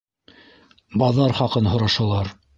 Баҙар хаҡын һорашалар.